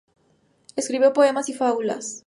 Escribió poemas y fábulas.